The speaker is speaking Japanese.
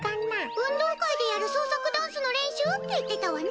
運動会でやる創作ダンスの練習って言ってたわね。